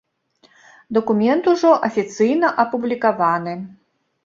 Дакумент ужо афіцыйна апублікаваны.